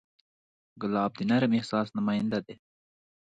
ګلاب د نرم احساس نماینده دی.